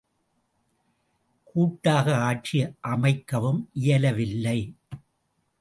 கூட்டாக ஆட்சி அமைக்கவும் இயலவில்லை.